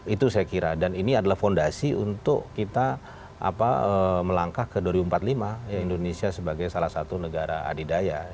itu saya kira dan ini adalah fondasi untuk kita melangkah ke dua ribu empat puluh lima indonesia sebagai salah satu negara adidaya